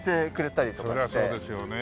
そりゃそうですよね。